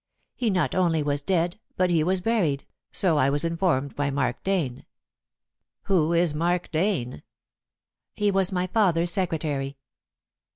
He not only was dead, but he was buried, so I was informed by Mark Dane." "Who is Mark Dane?" "He was my father's secretary."